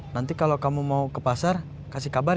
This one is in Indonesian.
nanti kalau kamu mau ke pasar kasih kabar